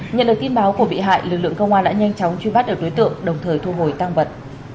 nhận được tin báo của bị hại lực lượng công an đã nhanh chóng truy bắt được đối tượng đồng thời thu hồi tăng vật